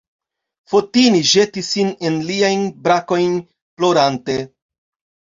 Fotini ĵetis sin en liajn brakojn plorante.